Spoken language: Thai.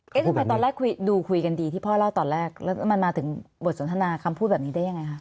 ทำไมตอนแรกคุยดูคุยกันดีที่พ่อเล่าตอนแรกแล้วมันมาถึงบทสนทนาคำพูดแบบนี้ได้ยังไงคะ